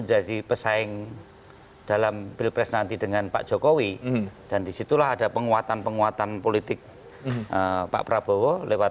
jadi kita harus melakukan komunikasi